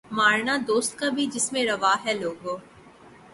مارنا دوست کا بھی جس میں روا ہے لوگو